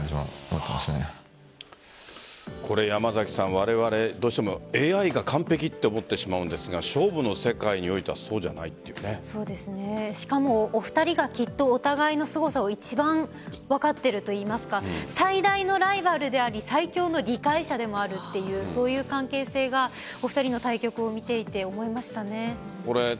われわれ、どうしてもＡＩが完璧って思ってしまうんですが勝負の世界においてはしかもお二人がきっとお互いのすごさを一番分かっているといいますか最大のライバルであり最強の理解者でもあるっていうそういう関係性がお二人の対局を見ていて思いましたね。